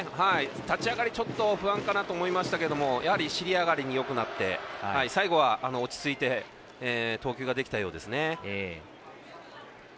立ち上がり、ちょっと不安かなと思いましたけれどもやはり尻上がりによくなって最後は落ち着いて投球ができたようですね。